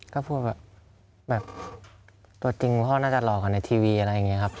ก็พูดแบบตัวจริงพ่อน่าจะหล่อกว่าในทีวีอะไรอย่างนี้ครับ